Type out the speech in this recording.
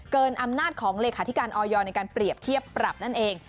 อำนาจของเลขาธิการออยในการเปรียบเทียบปรับนั่นเอง